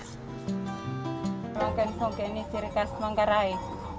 tenun kain songke ini ciri khas menggarai